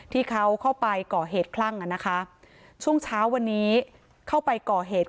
ที่เขาเข้าไปก่อเหตุคลั่งอ่ะนะคะช่วงเช้าวันนี้เข้าไปก่อเหตุ